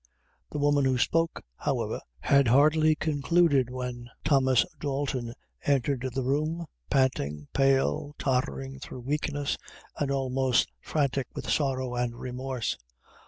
The woman who spoke, however, had hardly concluded, when Thomas Dalton entered the room, panting, pale, tottering through weakness, and almost frantic with sorrow and remorse.